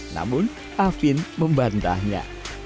namun afin membantahnya